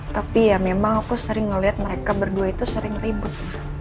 tapi ya memang aku sering melihat mereka berdua itu sering ribut